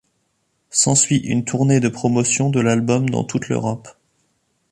S'ensuit une tournée de promotion de l'album dans toute l'Europe.